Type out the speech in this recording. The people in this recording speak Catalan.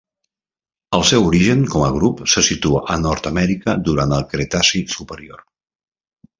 El seu origen com a grup se situa a Nord-amèrica durant el Cretaci superior.